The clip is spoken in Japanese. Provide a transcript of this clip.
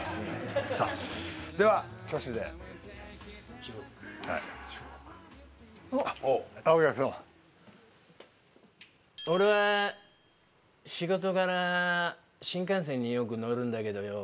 さあはい俺は仕事柄新幹線によく乗るんだけどよ